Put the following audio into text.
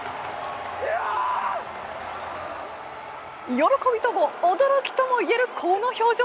喜びとも驚きともいえるこの表情。